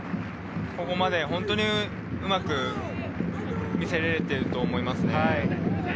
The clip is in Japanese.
ここまで本当にうまく見せれていると思います。